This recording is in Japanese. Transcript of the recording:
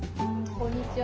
こんにちは。